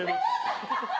アハハハ！